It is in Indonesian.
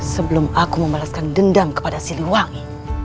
sebelum aku membalaskan dendam kepada siliwangi